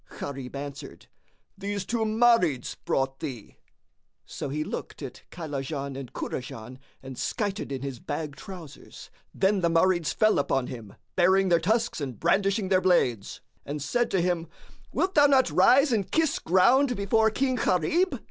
Gharib answered, "These two Marids brought thee." So he looked at Kaylajan and Kurajan and skited in his bag trousers. Then the Marids fell upon him, baring their tusks and brandishing their blades, and said to him, "Wilt thou not rise and kiss ground before King Gharib?"